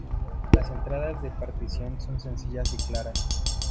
Las entradas de partición son sencillas y claras.